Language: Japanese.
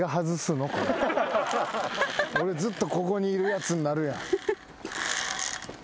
俺ずっとここにいるやつになるやん。